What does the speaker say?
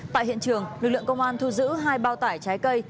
tại hiện trường lực lượng công an thu giữ hai bao tải trái cây